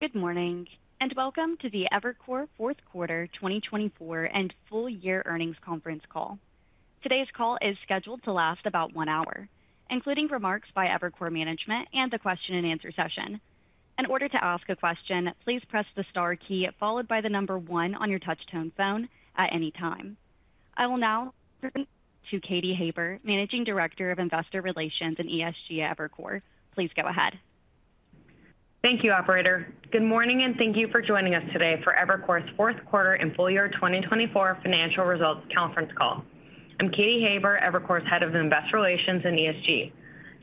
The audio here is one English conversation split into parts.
Good morning and welcome to the Evercore Fourth Quarter 2024 and Full Year Earnings Conference call. Today's call is scheduled to last about one hour, including remarks by Evercore Management and the question-and-answer session. In order to ask a question, please press the star key followed by the number one on your touch-tone phone at any time. I will now turn to Katy Haber, Managing Director of Investor Relations and ESG at Evercore. Please go ahead. Thank you, Operator. Good morning and thank you for joining us today for Evercore's Fourth Quarter and Full Year 2024 Financial Results Conference call. I'm Katy Haber, Evercore's Head of Investor Relations and ESG.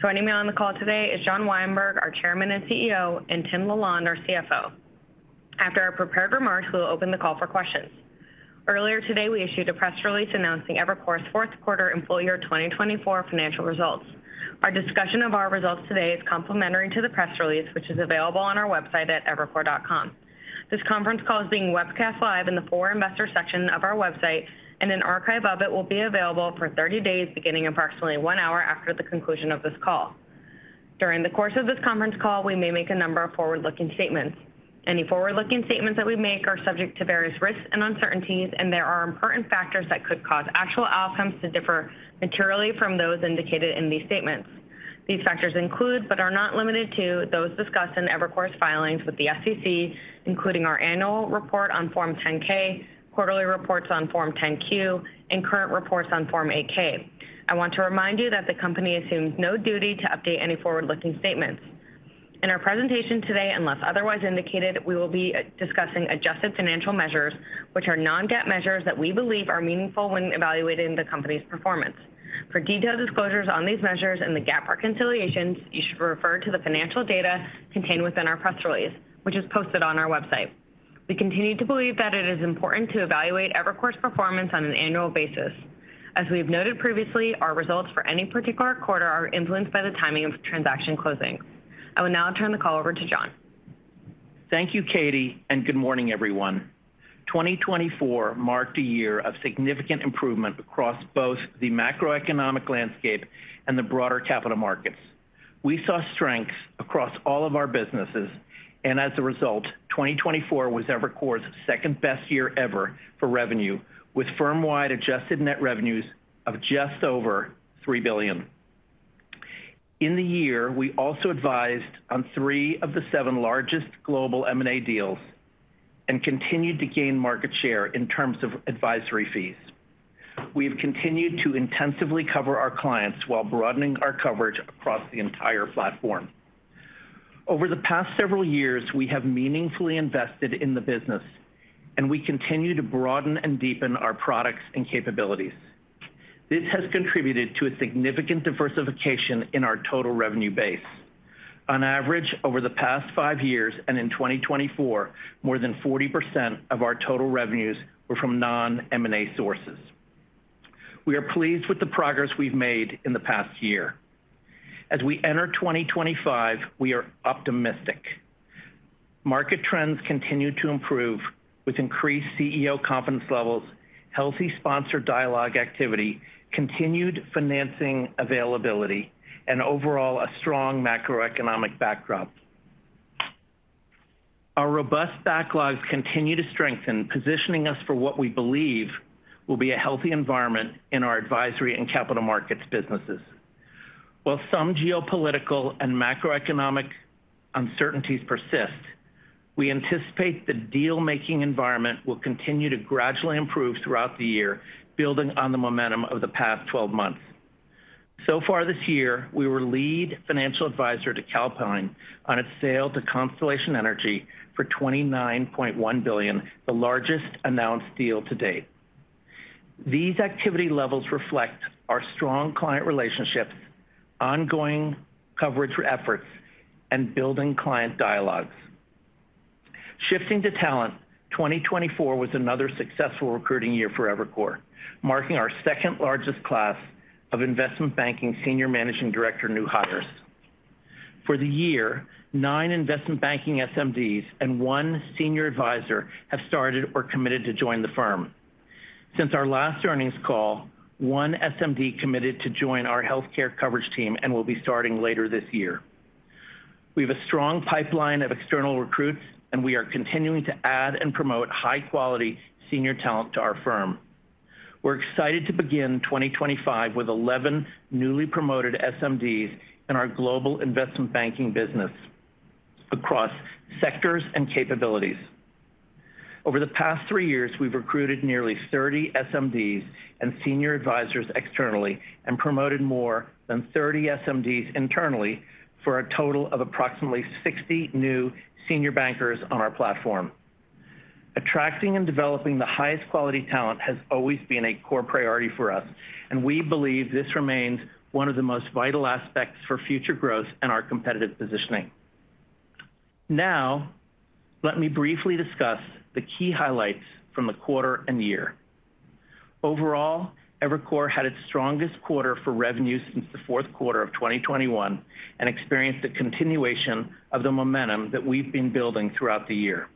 Joining me on the call today is John Weinberg, our Chairman and CEO, and Tim LaLonde, our CFO. After our prepared remarks, we'll open the call for questions. Earlier today, we issued a press release announcing Evercore's Fourth Quarter and Full Year 2024 financial results. Our discussion of our results today is complementary to the press release, which is available on our website at evercore.com. This conference call is being webcast live in the For Investors section of our website, and an archive of it will be available for 30 days beginning approximately one hour after the conclusion of this call. During the course of this conference call, we may make a number of forward-looking statements. Any forward-looking statements that we make are subject to various risks and uncertainties, and there are important factors that could cause actual outcomes to differ materially from those indicated in these statements. These factors include, but are not limited to, those discussed in Evercore's filings with the SEC, including our annual report on Form 10-K, quarterly reports on Form 10-Q, and current reports on Form 8-K. I want to remind you that the company assumes no duty to update any forward-looking statements. In our presentation today, unless otherwise indicated, we will be discussing adjusted financial measures, which are non-GAAP measures that we believe are meaningful when evaluating the company's performance. For detailed disclosures on these measures and the GAAP reconciliations, you should refer to the financial data contained within our press release, which is posted on our website. We continue to believe that it is important to evaluate Evercore's performance on an annual basis. As we've noted previously, our results for any particular quarter are influenced by the timing of transaction closing. I will now turn the call over to John. Thank you, Katy, and good morning, everyone. 2024 marked a year of significant improvement across both the macroeconomic landscape and the broader capital markets. We saw strengths across all of our businesses, and as a result, 2024 was Evercore's second-best year ever for revenue, with firm-wide adjusted net revenues of just over $3 billion. In the year, we also advised on three of the seven largest global M&A deals and continued to gain market share in terms of advisory fees. We have continued to intensively cover our clients while broadening our coverage across the entire platform. Over the past several years, we have meaningfully invested in the business, and we continue to broaden and deepen our products and capabilities. This has contributed to a significant diversification in our total revenue base. On average, over the past five years and in 2024, more than 40% of our total revenues were from non-M&A sources. We are pleased with the progress we've made in the past year. As we enter 2025, we are optimistic. Market trends continue to improve, with increased CEO confidence levels, healthy sponsor dialogue activity, continued financing availability, and overall a strong macroeconomic backdrop. Our robust backlogs continue to strengthen, positioning us for what we believe will be a healthy environment in our advisory and capital markets businesses. While some geopolitical and macroeconomic uncertainties persist, we anticipate the deal-making environment will continue to gradually improve throughout the year, building on the momentum of the past 12 months. So far this year, we were lead financial advisor to Calpine on its sale to Constellation Energy for $29.1 billion, the largest announced deal to date. These activity levels reflect our strong client relationships, ongoing coverage efforts, and building client dialogues. Shifting to talent, 2024 was another successful recruiting year for Evercore, marking our second-largest class of investment banking Senior Managing Director new hires. For the year, nine investment banking SMDs and one senior advisor have started or committed to join the firm. Since our last earnings call, one SMD committed to join our healthcare coverage team and will be starting later this year. We have a strong pipeline of external recruits, and we are continuing to add and promote high-quality senior talent to our firm. We're excited to begin 2025 with 11 newly promoted SMDs in our global investment banking business across sectors and capabilities. Over the past three years, we've recruited nearly 30 SMDs and senior advisors externally and promoted more than 30 SMDs internally for a total of approximately 60 new senior bankers on our platform. Attracting and developing the highest quality talent has always been a core priority for us, and we believe this remains one of the most vital aspects for future growth and our competitive positioning. Now, let me briefly discuss the key highlights from the quarter and year. Overall, Evercore had its strongest quarter for revenue since the fourth quarter of 2021 and experienced a continuation of the momentum that we've been building throughout the year.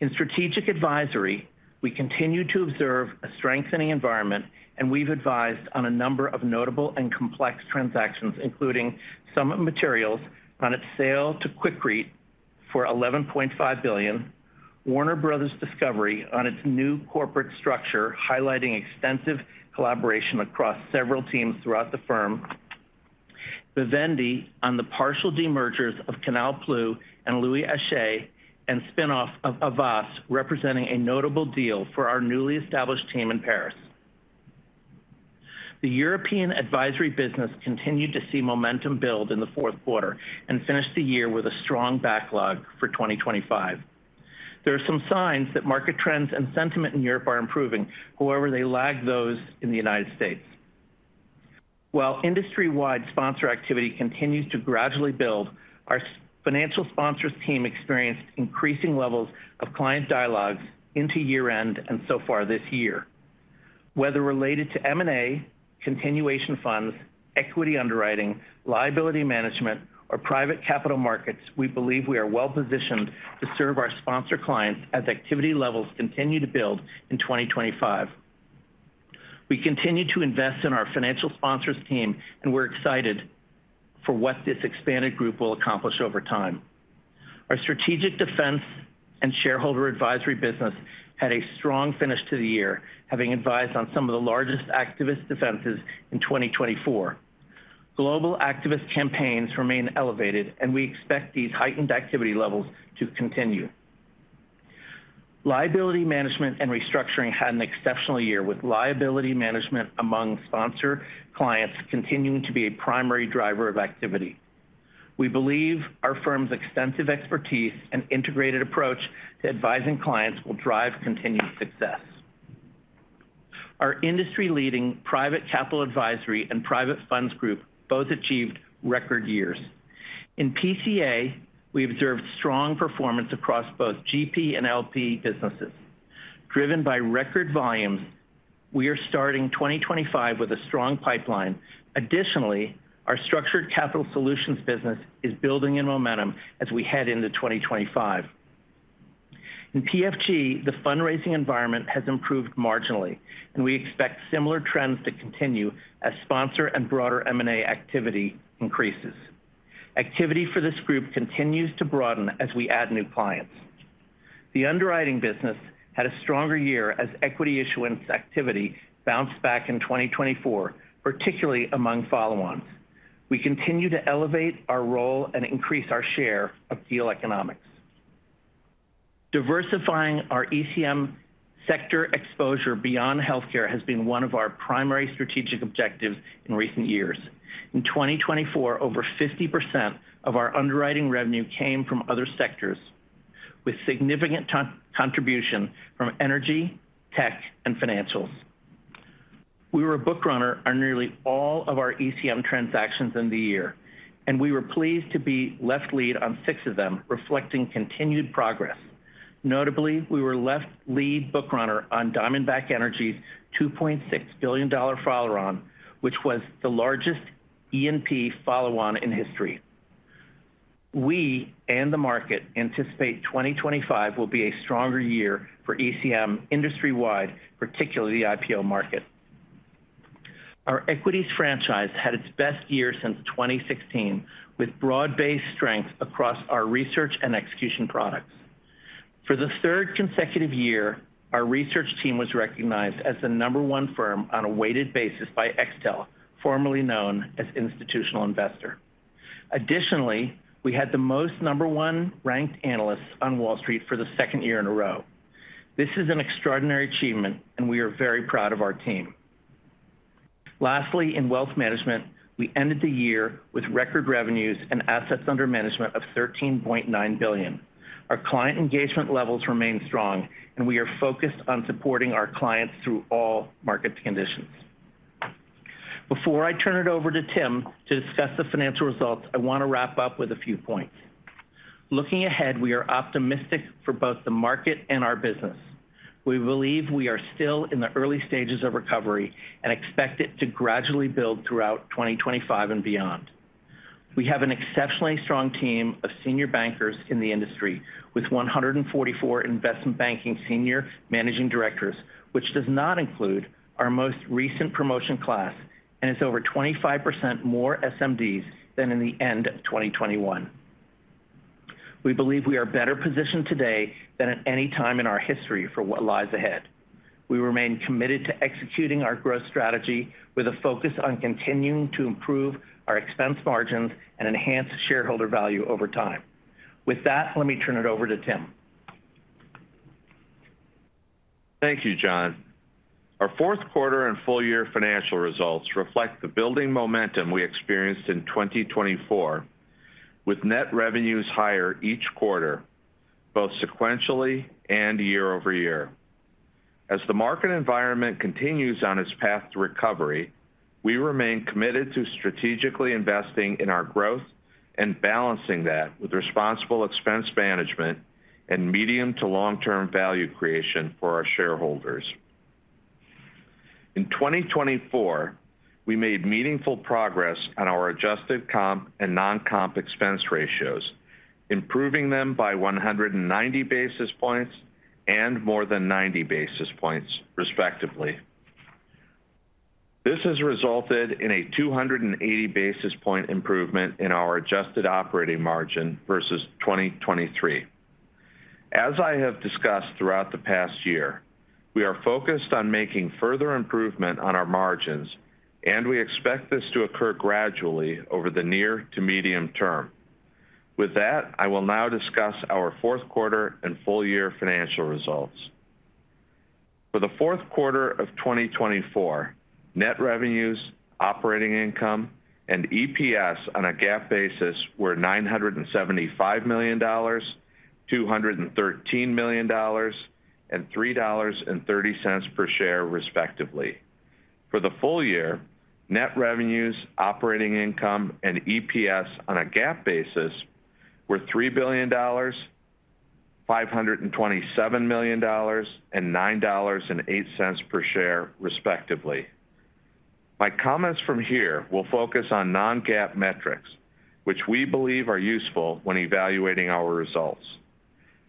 In strategic advisory, we continue to observe a strengthening environment, and we've advised on a number of notable and complex transactions, including Summit Materials on its sale to Quikrete for $11.5 billion, Warner Bros. Discovery on its new corporate structure highlighting extensive collaboration across several teams throughout the firm, Vivendi on the partial demergers of Canal+ Group and Louis Hachette Group, and spinoff of Havas representing a notable deal for our newly established team in Paris. The European advisory business continued to see momentum build in the fourth quarter and finished the year with a strong backlog for 2025. There are some signs that market trends and sentiment in Europe are improving, however, they lag those in the United States. While industry-wide sponsor activity continues to gradually build, our financial sponsors team experienced increasing levels of client dialogues into year-end and so far this year. Whether related to M&A, continuation funds, equity underwriting, liability management, or private capital markets, we believe we are well-positioned to serve our sponsor clients as activity levels continue to build in 2025. We continue to invest in our financial sponsors team, and we're excited for what this expanded group will accomplish over time. Our strategic defense and shareholder advisory business had a strong finish to the year, having advised on some of the largest activist defenses in 2024. Global activist campaigns remain elevated, and we expect these heightened activity levels to continue. Liability management and restructuring had an exceptional year, with liability management among sponsor clients continuing to be a primary driver of activity. We believe our firm's extensive expertise and integrated approach to advising clients will drive continued success. Our industry-leading Private Capital Advisory and Private Funds Group both achieved record years. In PCA, we observed strong performance across both GP and LP businesses. Driven by record volumes, we are starting 2025 with a strong pipeline. Additionally, our Structured Capital Solutions business is building in momentum as we head into 2025. In PFG, the fundraising environment has improved marginally, and we expect similar trends to continue as sponsor and broader M&A activity increases. Activity for this group continues to broaden as we add new clients. The underwriting business had a stronger year as equity issuance activity bounced back in 2024, particularly among follow-ons. We continue to elevate our role and increase our share of deal economics. Diversifying our ECM sector exposure beyond healthcare has been one of our primary strategic objectives in recent years. In 2024, over 50% of our underwriting revenue came from other sectors, with significant contribution from energy, tech, and financials. We were a book runner on nearly all of our ECM transactions in the year, and we were pleased to be left lead on six of them, reflecting continued progress. Notably, we were left lead book runner on Diamondback Energy's $2.6 billion follow-on, which was the largest E&P follow-on in history. We and the market anticipate 2025 will be a stronger year for ECM industry-wide, particularly the IPO market. Our equities franchise had its best year since 2016, with broad-based strength across our research and execution products. For the third consecutive year, our research team was recognized as the number one firm on a weighted basis by Extel, formerly known as Institutional Investor. Additionally, we had the most number one ranked analysts on Wall Street for the second year in a row. This is an extraordinary achievement, and we are very proud of our team. Lastly, in wealth management, we ended the year with record revenues and assets under management of $13.9 billion. Our client engagement levels remain strong, and we are focused on supporting our clients through all market conditions. Before I turn it over to Tim to discuss the financial results, I want to wrap up with a few points. Looking ahead, we are optimistic for both the market and our business. We believe we are still in the early stages of recovery and expect it to gradually build throughout 2025 and beyond. We have an exceptionally strong team of senior bankers in the industry with 144 investment banking Senior Managing Directors, which does not include our most recent promotion class and is over 25% more SMDs than at the end of 2021. We believe we are better positioned today than at any time in our history for what lies ahead. We remain committed to executing our growth strategy with a focus on continuing to improve our expense margins and enhance shareholder value over time. With that, let me turn it over to Tim. Thank you, John. Our fourth quarter and full-year financial results reflect the building momentum we experienced in 2024, with net revenues higher each quarter, both sequentially and year over year. As the market environment continues on its path to recovery, we remain committed to strategically investing in our growth and balancing that with responsible expense management and medium to long-term value creation for our shareholders. In 2024, we made meaningful progress on our adjusted comp and non-comp expense ratios, improving them by 190 basis points and more than 90 basis points, respectively. This has resulted in a 280 basis point improvement in our adjusted operating margin versus 2023. As I have discussed throughout the past year, we are focused on making further improvement on our margins, and we expect this to occur gradually over the near to medium term. With that, I will now discuss our fourth quarter and full-year financial results. For the fourth quarter of 2024, net revenues, operating income, and EPS on a GAAP basis were $975 million, $213 million, and $3.30 per share, respectively. For the full year, net revenues, operating income, and EPS on a GAAP basis were $3 billion, $527 million, and $9.08 per share, respectively. My comments from here will focus on non-GAAP metrics, which we believe are useful when evaluating our results.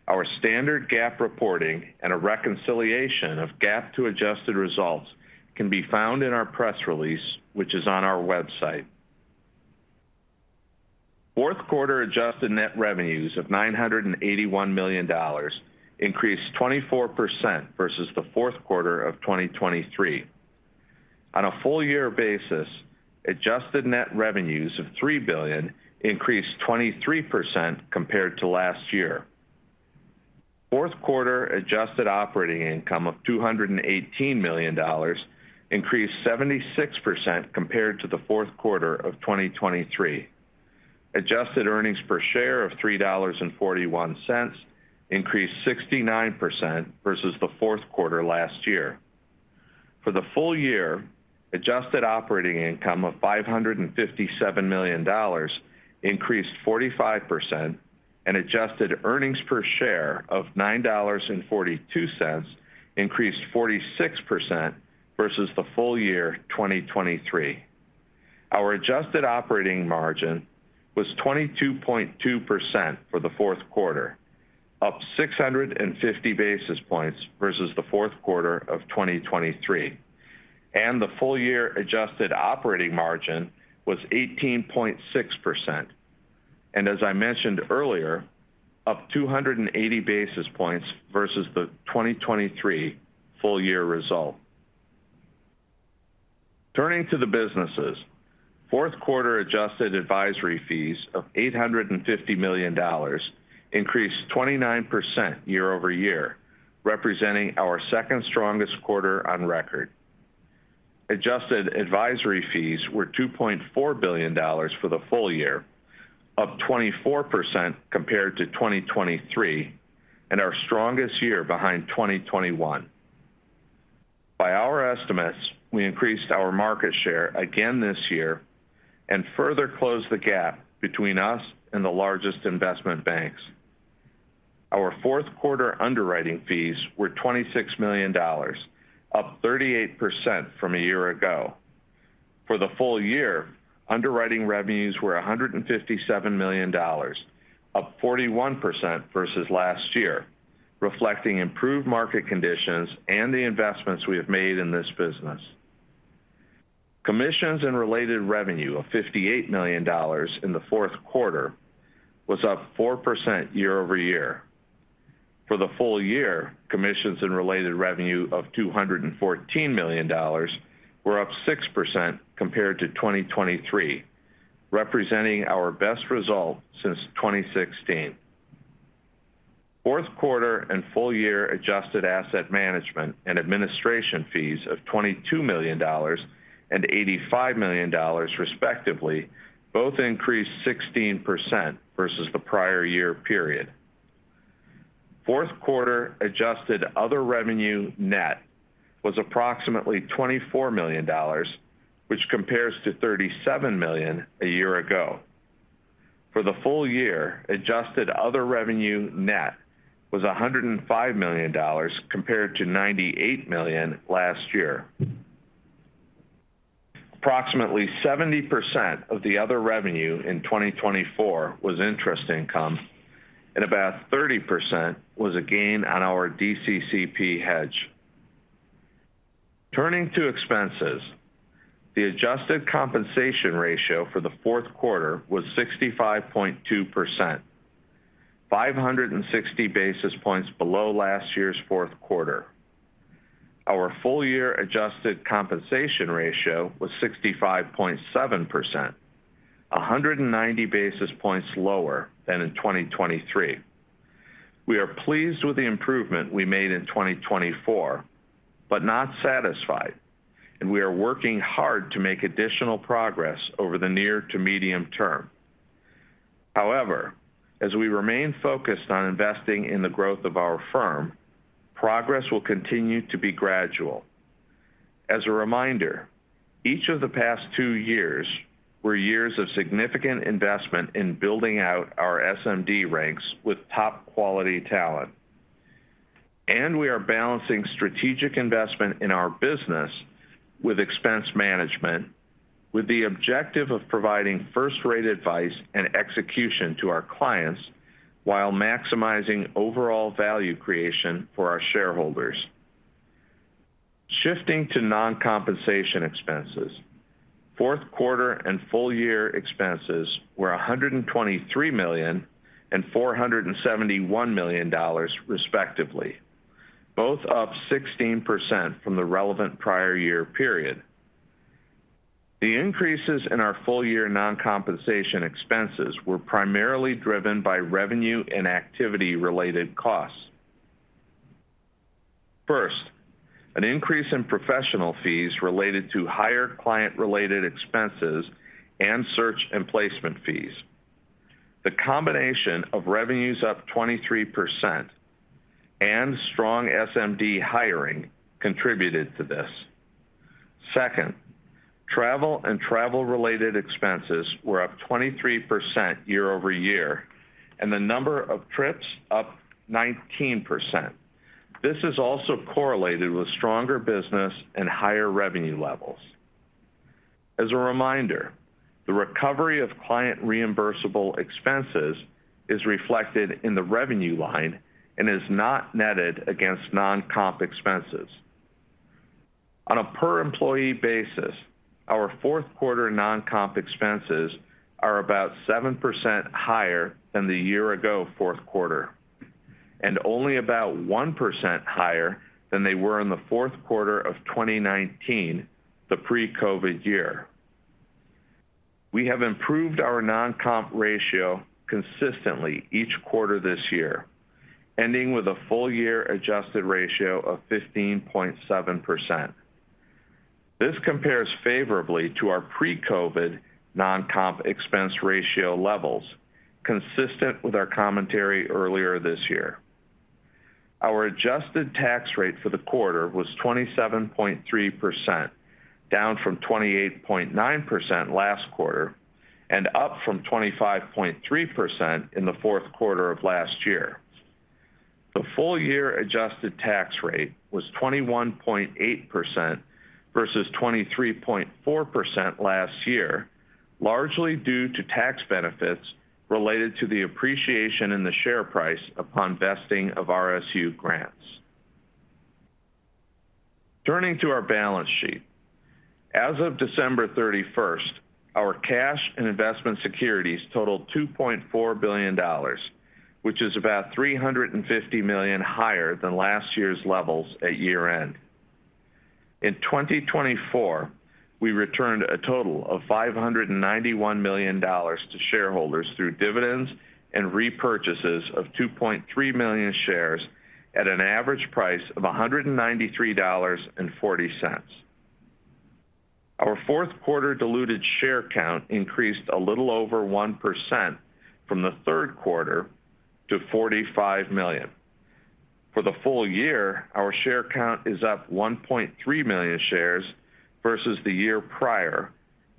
Our standard GAAP reporting and a reconciliation of GAAP to adjusted results can be found in our press release, which is on our website. Fourth quarter adjusted net revenues of $981 million increased 24% versus the fourth quarter of 2023. On a full-year basis, adjusted net revenues of $3 billion increased 23% compared to last year. Fourth quarter adjusted operating income of $218 million increased 76% compared to the fourth quarter of 2023. Adjusted earnings per share of $3.41 increased 69% versus the fourth quarter last year. For the full year, adjusted operating income of $557 million increased 45%, and adjusted earnings per share of $9.42 increased 46% versus the full year 2023. Our adjusted operating margin was 22.2% for the fourth quarter, up 650 basis points versus the fourth quarter of 2023, and the full-year adjusted operating margin was 18.6%, and as I mentioned earlier, up 280 basis points versus the 2023 full-year result. Turning to the businesses, fourth quarter adjusted advisory fees of $850 million increased 29% year over year, representing our second strongest quarter on record. Adjusted advisory fees were $2.4 billion for the full year, up 24% compared to 2023, and our strongest year behind 2021. By our estimates, we increased our market share again this year and further closed the gap between us and the largest investment banks. Our fourth quarter underwriting fees were $26 million, up 38% from a year ago. For the full year, underwriting revenues were $157 million, up 41% versus last year, reflecting improved market conditions and the investments we have made in this business. Commissions and related revenue of $58 million in the fourth quarter was up 4% year-over-year. For the full year, commissions and related revenue of $214 million were up 6% compared to 2023, representing our best result since 2016. Fourth quarter and full-year adjusted asset management and administration fees of $22 million and $85 million, respectively, both increased 16% versus the prior year period. Fourth quarter adjusted other revenue net was approximately $24 million, which compares to $37 million a year ago. For the full year, adjusted other revenue net was $105 million compared to $98 million last year. Approximately 70% of the other revenue in 2024 was interest income, and about 30% was a gain on our DCCP hedge. Turning to expenses, the adjusted compensation ratio for the fourth quarter was 65.2%, 560 basis points below last year's fourth quarter. Our full-year adjusted compensation ratio was 65.7%, 190 basis points lower than in 2023. We are pleased with the improvement we made in 2024, but not satisfied, and we are working hard to make additional progress over the near to medium term. However, as we remain focused on investing in the growth of our firm, progress will continue to be gradual. As a reminder, each of the past two years were years of significant investment in building out our SMD ranks with top-quality talent. We are balancing strategic investment in our business with expense management, with the objective of providing first-rate advice and execution to our clients while maximizing overall value creation for our shareholders. Shifting to non-compensation expenses, fourth quarter and full-year expenses were $123 million and $471 million, respectively, both up 16% from the relevant prior year period. The increases in our full-year non-compensation expenses were primarily driven by revenue and activity-related costs. First, an increase in professional fees related to higher client-related expenses and search and placement fees. The combination of revenues up 23% and strong SMD hiring contributed to this. Second, travel and travel-related expenses were up 23% year-over-year, and the number of trips up 19%. This is also correlated with stronger business and higher revenue levels. As a reminder, the recovery of client reimbursable expenses is reflected in the revenue line and is not netted against non-comp expenses. On a per-employee basis, our fourth quarter non-comp expenses are about 7% higher than the year-ago fourth quarter, and only about 1% higher than they were in the fourth quarter of 2019, the pre-COVID year. We have improved our non-comp ratio consistently each quarter this year, ending with a full-year adjusted ratio of 15.7%. This compares favorably to our pre-COVID non-comp expense ratio levels, consistent with our commentary earlier this year. Our adjusted tax rate for the quarter was 27.3%, down from 28.9% last quarter and up from 25.3% in the fourth quarter of last year. The full-year adjusted tax rate was 21.8% versus 23.4% last year, largely due to tax benefits related to the appreciation in the share price upon vesting of RSU grants. Turning to our balance sheet, as of December 31st, our cash and investment securities totaled $2.4 billion, which is about $350 million higher than last year's levels at year-end. In 2024, we returned a total of $591 million to shareholders through dividends and repurchases of 2.3 million shares at an average price of $193.40. Our fourth quarter diluted share count increased a little over 1% from the third quarter to 45 million. For the full year, our share count is up 1.3 million shares versus the year prior,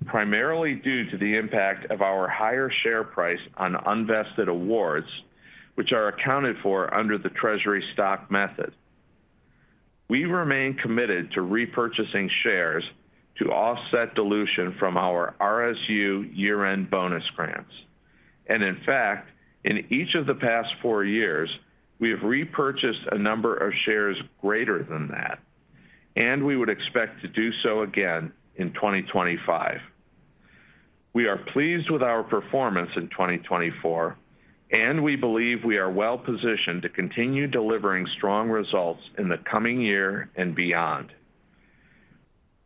primarily due to the impact of our higher share price on unvested awards, which are accounted for under the treasury stock method. We remain committed to repurchasing shares to offset dilution from our RSU year-end bonus grants. And in fact, in each of the past four years, we have repurchased a number of shares greater than that, and we would expect to do so again in 2025. We are pleased with our performance in 2024, and we believe we are well-positioned to continue delivering strong results in the coming year and beyond.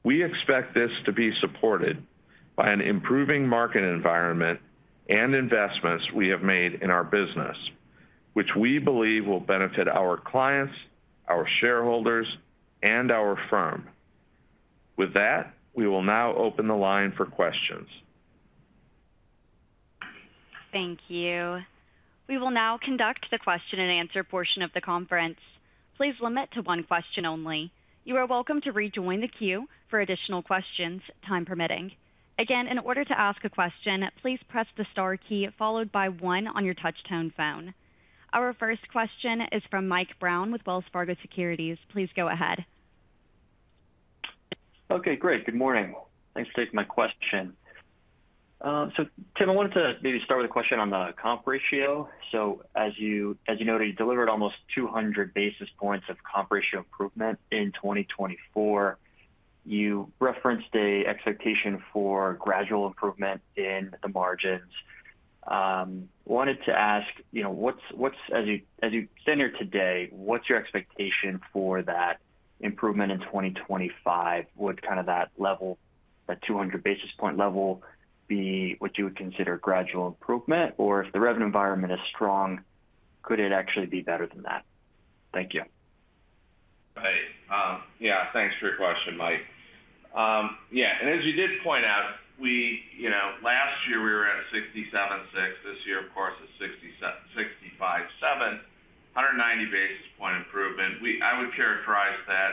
We expect this to be supported by an improving market environment and investments we have made in our business, which we believe will benefit our clients, our shareholders, and our firm. With that, we will now open the line for questions. Thank you. We will now conduct the question-and-answer portion of the conference. Please limit to one question only. You are welcome to rejoin the queue for additional questions, time permitting. Again, in order to ask a question, please press the star key followed by one on your touch-tone phone. Our first question is from Mike Brown with Wells Fargo Securities. Please go ahead. Okay, great. Good morning. Thanks for taking my question. So Tim, I wanted to maybe start with a question on the comp ratio. So as you noted, you delivered almost 200 basis points of comp ratio improvement in 2024. You referenced an expectation for gradual improvement in the margins. I wanted to ask, as you stand here today, what's your expectation for that improvement in 2025? Would kind of that level, that 200 basis point level, be what you would consider gradual improvement? Or if the revenue environment is strong, could it actually be better than that? Thank you. Right. Yeah, thanks for your question, Mike. Yeah, and as you did point out, last year we were at 67.6. This year, of course, it's 65.7, 190 basis point improvement. I would characterize that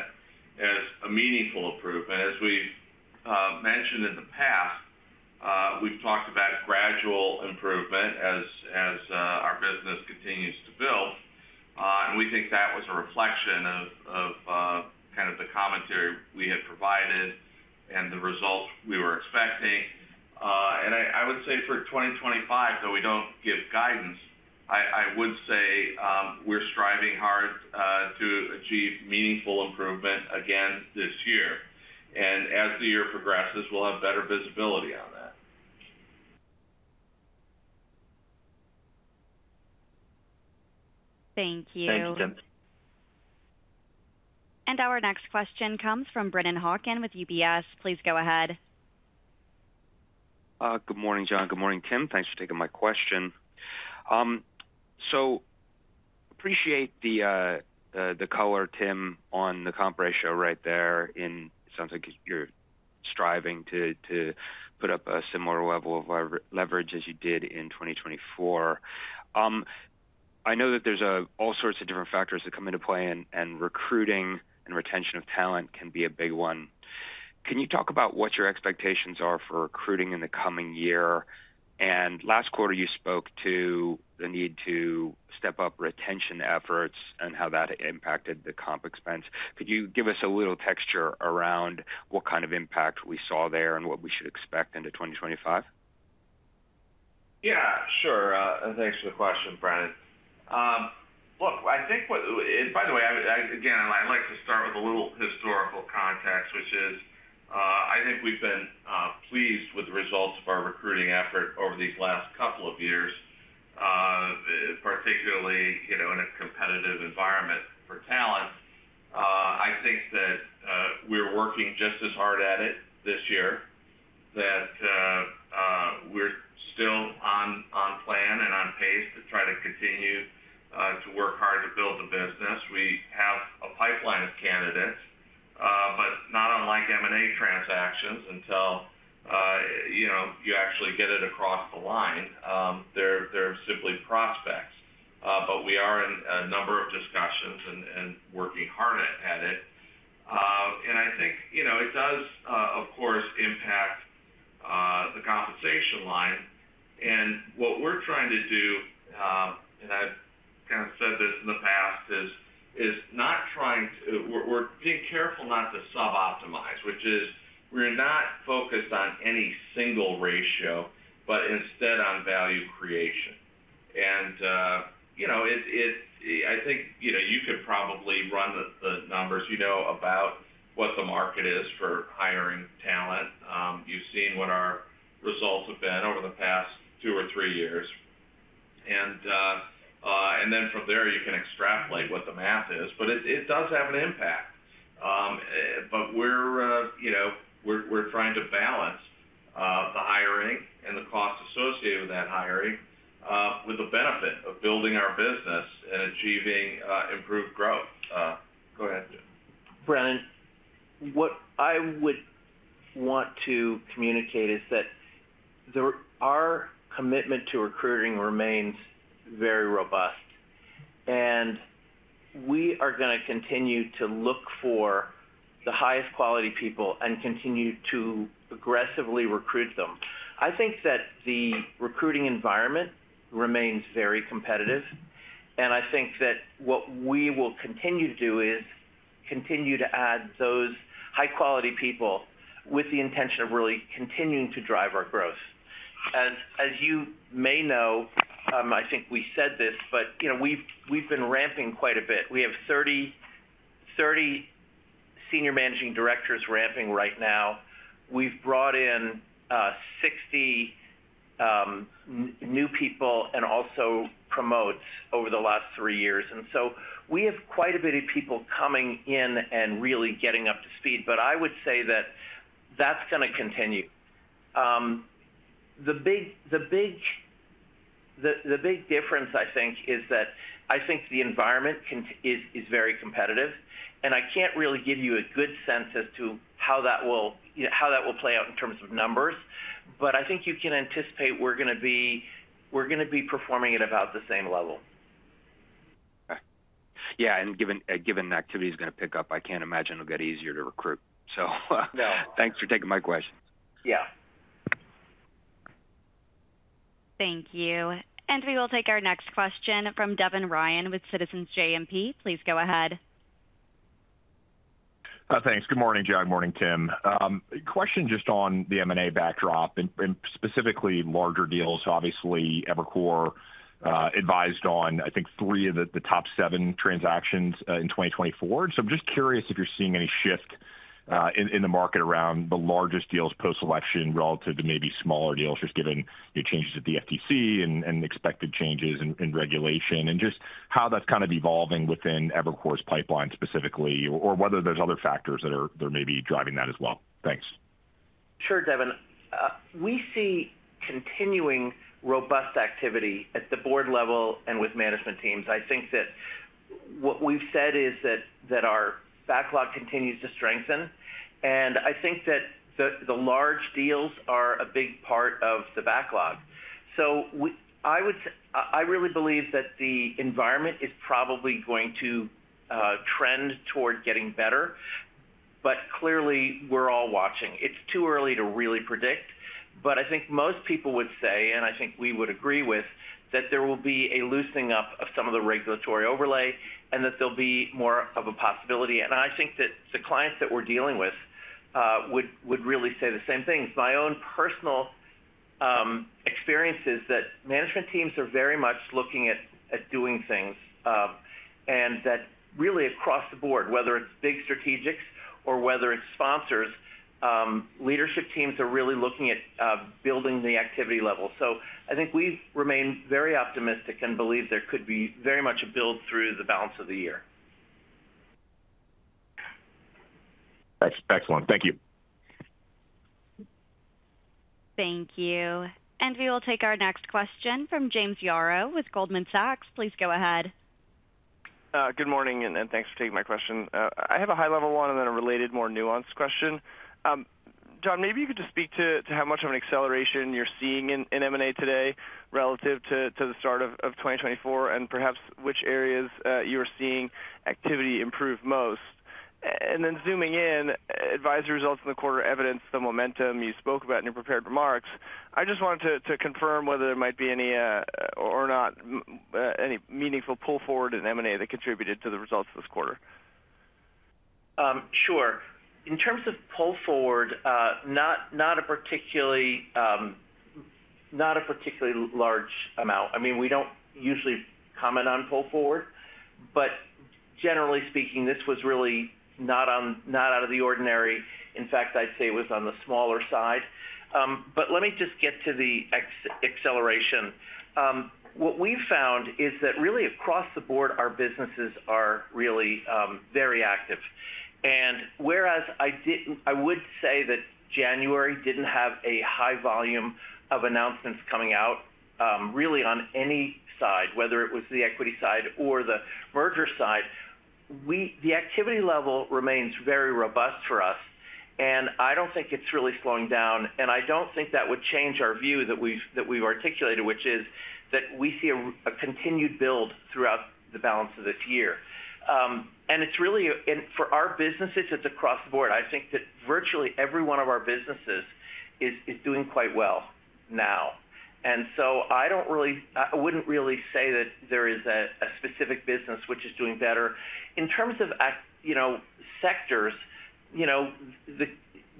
as a meaningful improvement. As we've mentioned in the past, we've talked about gradual improvement as our business continues to build. And we think that was a reflection of kind of the commentary we had provided and the results we were expecting. And I would say for 2025, though we don't give guidance, I would say we're striving hard to achieve meaningful improvement again this year. And as the year progresses, we'll have better visibility on that. Thank you. Thank you, Tim. And our next question comes from Brennan Hawken with UBS. Please go ahead. Good morning, John. Good morning, Tim. Thanks for taking my question. So, I appreciate the color, Tim, on the comp ratio right there. It sounds like you're striving to put up a similar level of leverage as you did in 2024. I know that there's all sorts of different factors that come into play, and recruiting and retention of talent can be a big one. Can you talk about what your expectations are for recruiting in the coming year? And last quarter, you spoke to the need to step up retention efforts and how that impacted the comp expense. Could you give us a little texture around what kind of impact we saw there and what we should expect into 2025? Yeah, sure. Thanks for the question, Brennan. Look, I think what, and by the way, again, I'd like to start with a little historical context, which is I think we've been pleased with the results of our recruiting effort over these last couple of years, particularly in a competitive environment for talent. I think that we're working just as hard at it this year, that we're still on plan and on pace to try to continue to work hard to build the business. We have a pipeline of candidates, but not unlike M&A transactions until you actually get it across the line. They're simply prospects. But we are in a number of discussions and working hard at it. And I think it does, of course, impact the compensation line. And what we're trying to do, and I've kind of said this in the past, is not trying to, we're being careful not to suboptimize, which is we're not focused on any single ratio, but instead on value creation. And I think you could probably run the numbers, you know about what the market is for hiring talent. You've seen what our results have been over the past two or three years. And then from there, you can extrapolate what the math is. But it does have an impact. But we're trying to balance the hiring and the cost associated with that hiring with the benefit of building our business and achieving improved growth. Go ahead. Brennan, what I would want to communicate is that our commitment to recruiting remains very robust, and we are going to continue to look for the highest quality people and continue to aggressively recruit them. I think that the recruiting environment remains very competitive, and I think that what we will continue to do is continue to add those high-quality people with the intention of really continuing to drive our growth. As you may know, I think we said this, but we've been ramping quite a bit. We have 30 Senior Managing Directors ramping right now. We've brought in 60 new people and also promotes over the last three years, and so we have quite a bit of people coming in and really getting up to speed, but I would say that that's going to continue. The big difference, I think, is that I think the environment is very competitive. And I can't really give you a good sense as to how that will play out in terms of numbers. But I think you can anticipate we're going to be performing at about the same level. Okay. Yeah, and given the activity is going to pick up, I can't imagine it'll get easier to recruit. So thanks for taking my question. Yeah. Thank you. And we will take our next question from Devin Ryan with Citizens JMP. Please go ahead. Thanks. Good morning, John. Good morning, Tim. Question just on the M&A backdrop, and specifically larger deals. Obviously, Evercore advised on, I think, three of the top seven transactions in 2024. So I'm just curious if you're seeing any shift in the market around the largest deals post-election relative to maybe smaller deals, just given the changes at the FTC and expected changes in regulation, and just how that's kind of evolving within Evercore's pipeline specifically, or whether there's other factors that are maybe driving that as well. Thanks. Sure, Devin. We see continuing robust activity at the board level and with management teams. I think that what we've said is that our backlog continues to strengthen. And I think that the large deals are a big part of the backlog. So I really believe that the environment is probably going to trend toward getting better. But clearly, we're all watching. It's too early to really predict. But I think most people would say, and I think we would agree with, that there will be a loosening up of some of the regulatory overlay and that there'll be more of a possibility. And I think that the clients that we're dealing with would really say the same thing. My own personal experience is that management teams are very much looking at doing things and that really across the board, whether it's big strategics or whether it's sponsors, leadership teams are really looking at building the activity level, so I think we remain very optimistic and believe there could be very much a build through the balance of the year. Thanks. Excellent. Thank you. Thank you. We will take our next question from James Yaro with Goldman Sachs. Please go ahead. Good morning, and thanks for taking my question. I have a high-level one and then a related, more nuanced question. John, maybe you could just speak to how much of an acceleration you're seeing in M&A today relative to the start of 2024, and perhaps which areas you are seeing activity improve most. And then zooming in, advisory results in the quarter evidence the momentum you spoke about in your prepared remarks. I just wanted to confirm whether there might be any or not any meaningful pull forward in M&A that contributed to the results of this quarter. Sure. In terms of pull forward, not a particularly large amount. I mean, we don't usually comment on pull forward. But generally speaking, this was really not out of the ordinary. In fact, I'd say it was on the smaller side. But let me just get to the acceleration. What we've found is that really across the board, our businesses are really very active. And whereas I would say that January didn't have a high volume of announcements coming out really on any side, whether it was the equity side or the merger side, the activity level remains very robust for us. And I don't think it's really slowing down. And I don't think that would change our view that we've articulated, which is that we see a continued build throughout the balance of this year. And for our businesses, it's across the board. I think that virtually every one of our businesses is doing quite well now, and so I wouldn't really say that there is a specific business which is doing better. In terms of sectors,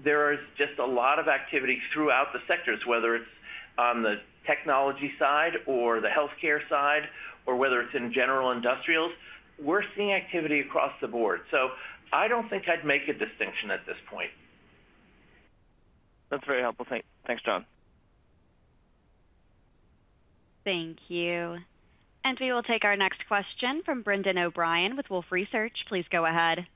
there is just a lot of activity throughout the sectors, whether it's on the technology side or the healthcare side or whether it's in general industrials. We're seeing activity across the board, so I don't think I'd make a distinction at this point. That's very helpful. Thanks, John. Thank you. And we will take our next question from Brendan O'Brien with Wolfe Research. Please go ahead.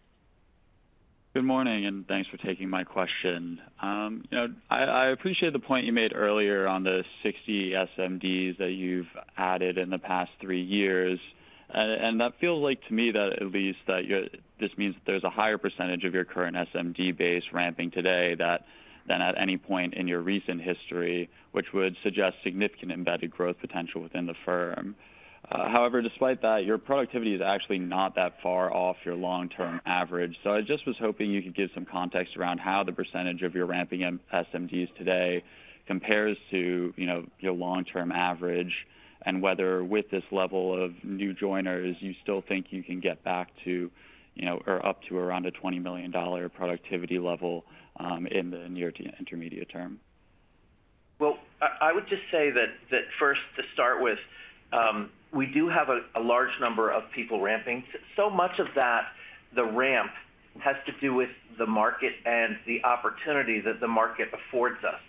Good morning, and thanks for taking my question. I appreciate the point you made earlier on the 60 SMDs that you've added in the past three years, and that feels like to me that at least that this means that there's a higher percentage of your current SMD base ramping today than at any point in your recent history, which would suggest significant embedded growth potential within the firm. However, despite that, your productivity is actually not that far off your long-term average, so I just was hoping you could give some context around how the percentage of your ramping SMDs today compares to your long-term average and whether with this level of new joiners, you still think you can get back to or up to around a $20 million productivity level in the near to intermediate term. I would just say that first, to start with, we do have a large number of people ramping. Much of that, the ramp has to do with the market and the opportunity that the market affords us.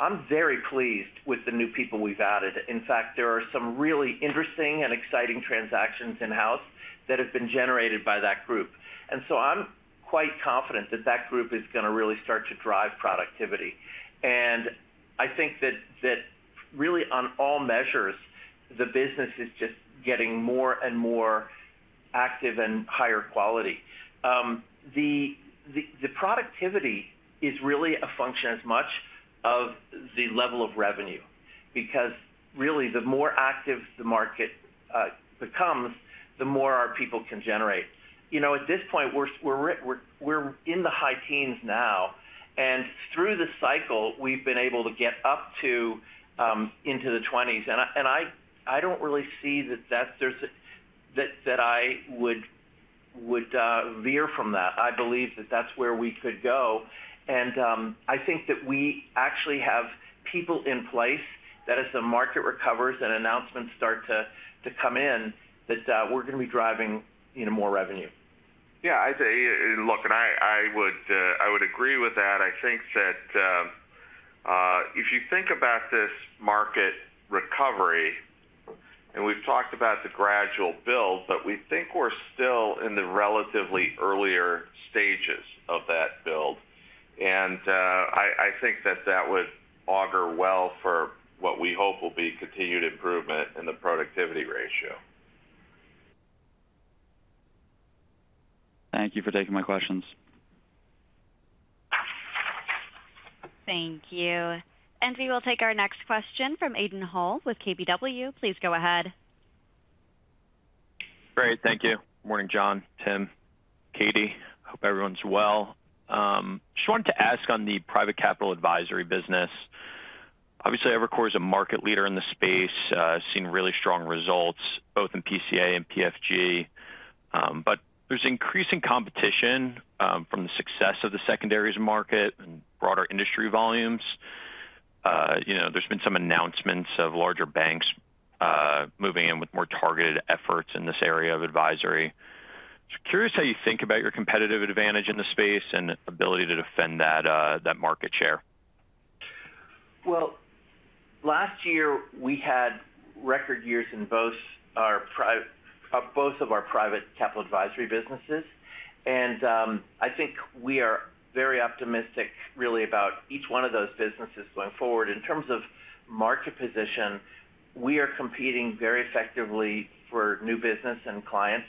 I'm very pleased with the new people we've added. In fact, there are some really interesting and exciting transactions in-house that have been generated by that group, and so I'm quite confident that that group is going to really start to drive productivity. I think that really on all measures, the business is just getting more and more active and higher quality. The productivity is really a function as much of the level of revenue because really the more active the market becomes, the more our people can generate. At this point, we're in the high teens now. And through the cycle, we've been able to get up to into the 20s. And I don't really see that I would veer from that. I believe that that's where we could go. And I think that we actually have people in place that as the market recovers and announcements start to come in, that we're going to be driving more revenue. Yeah. Look, and I would agree with that. I think that if you think about this market recovery, and we've talked about the gradual build, but we think we're still in the relatively earlier stages of that build. And I think that that would augur well for what we hope will be continued improvement in the productivity ratio. Thank you for taking my questions. Thank you, and we will take our next question from Aidan Hall with KBW. Please go ahead. Great. Thank you. Good morning, John, Tim, Katy. Hope everyone's well. Just wanted to ask on the private capital advisory business. Obviously, Evercore is a market leader in the space, seeing really strong results both in PCA and PFG. But there's increasing competition from the success of the secondaries market and broader industry volumes. There's been some announcements of larger banks moving in with more targeted efforts in this area of advisory. Just curious how you think about your competitive advantage in the space and ability to defend that market share. Last year, we had record years in both of our private capital advisory businesses, and I think we are very optimistic really about each one of those businesses going forward. In terms of market position, we are competing very effectively for new business and clients,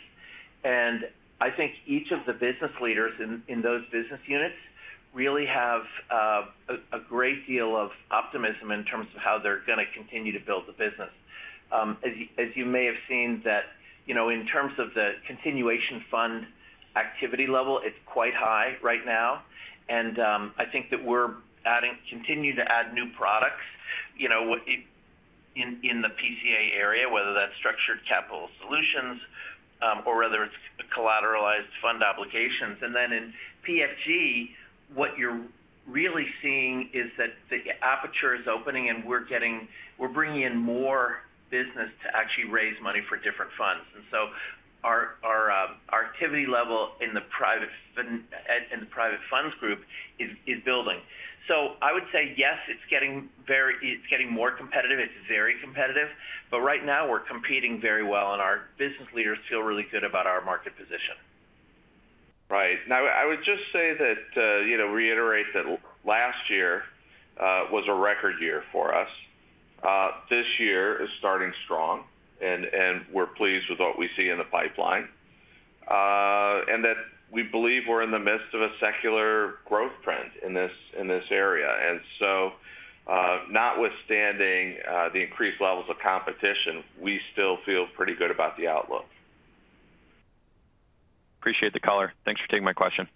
and I think each of the business leaders in those business units really have a great deal of optimism in terms of how they're going to continue to build the business. As you may have seen, that in terms of the continuation fund activity level, it's quite high right now, and I think that we're continuing to add new products in the PCA area, whether that's structured capital solutions or whether it's collateralized fund obligations, and then in PFG, what you're really seeing is that the aperture is opening and we're bringing in more business to actually raise money for different funds. And so our activity level in the private funds group is building. So I would say, yes, it's getting more competitive. It's very competitive. But right now, we're competing very well and our business leaders feel really good about our market position. Right. Now, I would just say, to reiterate that last year was a record year for us. This year is starting strong, and we're pleased with what we see in the pipeline, and that we believe we're in the midst of a secular growth trend in this area. And so, notwithstanding the increased levels of competition, we still feel pretty good about the outlook. Appreciate the color. Thanks for taking my question.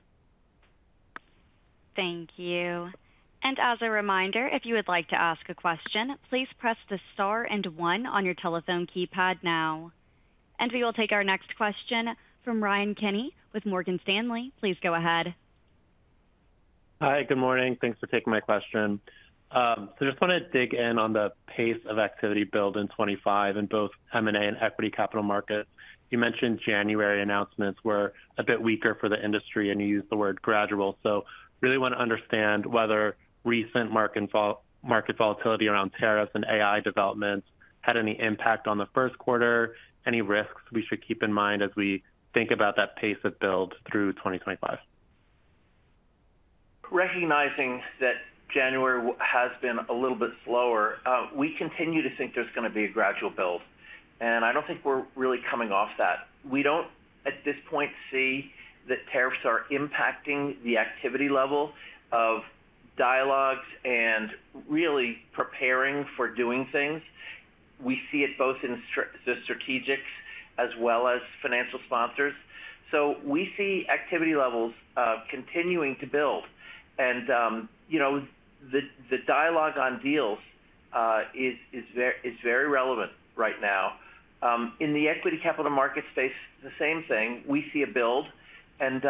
Thank you. And as a reminder, if you would like to ask a question, please press the star and one on your telephone keypad now. And we will take our next question from Ryan Kenny with Morgan Stanley. Please go ahead. Hi. Good morning. Thanks for taking my question. So I just want to dig in on the pace of activity build in 2025 in both M&A and equity capital markets. You mentioned January announcements were a bit weaker for the industry and you used the word gradual. So really want to understand whether recent market volatility around tariffs and AI developments had any impact on the first quarter, any risks we should keep in mind as we think about that pace of build through 2025. Recognizing that January has been a little bit slower, we continue to think there's going to be a gradual build. And I don't think we're really coming off that. We don't at this point see that tariffs are impacting the activity level of dialogues and really preparing for doing things. We see it both in the strategics as well as financial sponsors. So we see activity levels continuing to build. And the dialogue on deals is very relevant right now. In the equity capital market space, the same thing. We see a build. And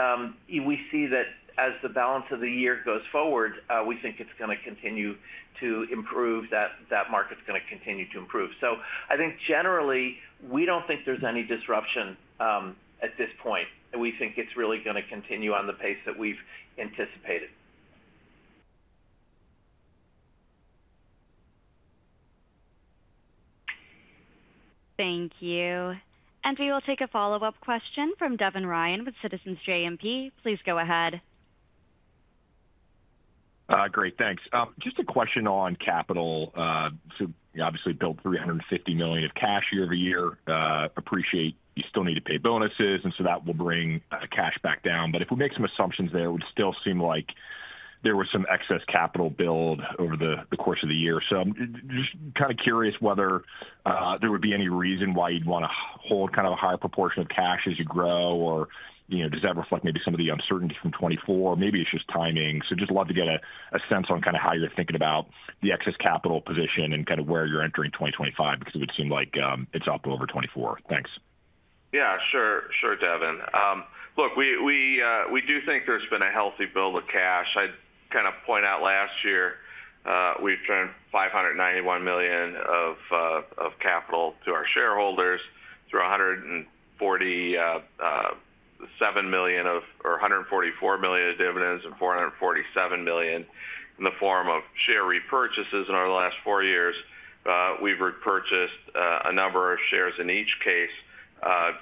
we see that as the balance of the year goes forward, we think it's going to continue to improve, that market's going to continue to improve. So I think generally, we don't think there's any disruption at this point. And we think it's really going to continue on the pace that we've anticipated. Thank you. And we will take a follow-up question from Devin Ryan with Citizens JMP. Please go ahead. Great. Thanks. Just a question on capital. So obviously, built $350 million of cash year over year. Appreciate you still need to pay bonuses. And so that will bring cash back down. But if we make some assumptions there, it would still seem like there was some excess capital build over the course of the year. So I'm just kind of curious whether there would be any reason why you'd want to hold kind of a higher proportion of cash as you grow, or does that reflect maybe some of the uncertainty from 2024? Maybe it's just timing. So just love to get a sense on kind of how you're thinking about the excess capital position and kind of where you're entering 2025 because it would seem like it's up over 2024. Thanks. Yeah. Sure. Sure, Devin. Look, we do think there's been a healthy build of cash. I'd kind of point out last year, we've turned $591 million of capital to our shareholders through $147 million or $144 million in dividends and $447 million in the form of share repurchases in our last four years. We've repurchased a number of shares in each case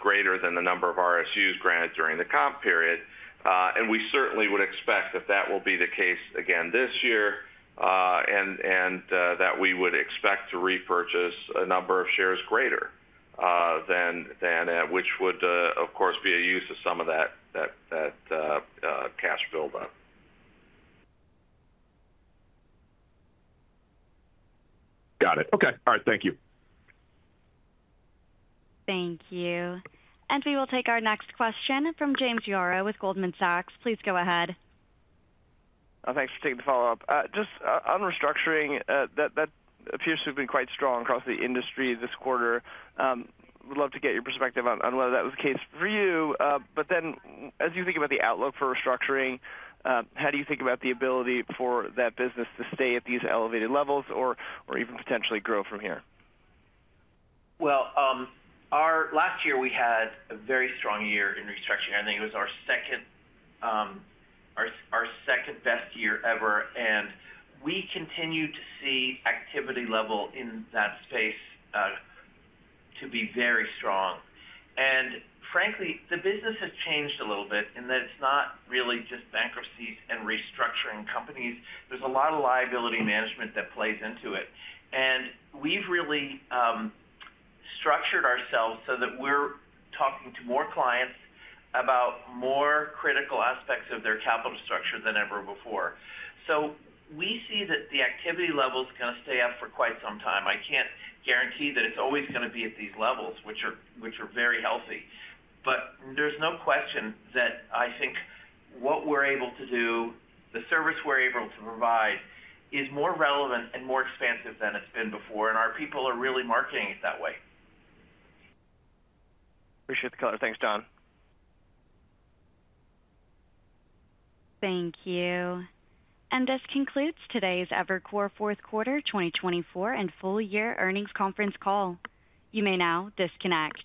greater than the number of RSUs granted during the comp period. And we certainly would expect that that will be the case again this year and that we would expect to repurchase a number of shares greater than which would, of course, be a use of some of that cash build-up. Got it. Okay. All right. Thank you. Thank you. And we will take our next question from James Yaro with Goldman Sachs. Please go ahead. Thanks for taking the follow-up. Just on restructuring, that appears to have been quite strong across the industry this quarter. Would love to get your perspective on whether that was the case for you. But then as you think about the outlook for restructuring, how do you think about the ability for that business to stay at these elevated levels or even potentially grow from here? Last year, we had a very strong year in restructuring. I think it was our second best year ever. We continue to see activity level in that space to be very strong. Frankly, the business has changed a little bit in that it's not really just bankruptcies and restructuring companies. There's a lot of liability management that plays into it. We've really structured ourselves so that we're talking to more clients about more critical aspects of their capital structure than ever before. We see that the activity level is going to stay up for quite some time. I can't guarantee that it's always going to be at these levels, which are very healthy. There's no question that I think what we're able to do, the service we're able to provide, is more relevant and more expansive than it's been before. Our people are really marketing it that way. Appreciate the color. Thanks, John. Thank you. And this concludes today's Evercore fourth quarter 2024 and full year earnings conference call. You may now disconnect.